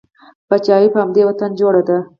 پاچاهي په همدې وطن جوړه ده.